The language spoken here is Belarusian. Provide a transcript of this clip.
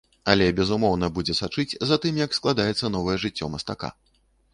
Але, безумоўна, будзе сачыць за тым, як складзецца новае жыццё мастака.